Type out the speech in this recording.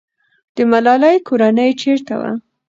د ملالۍ کورنۍ چېرته وه؟